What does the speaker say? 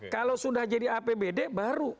kalau sudah jadi apbd baru